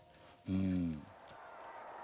うん。